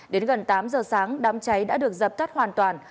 đến gần tám giờ sáng đám cháy đã được dập tắt hoàn toàn